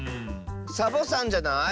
サボさんじゃない？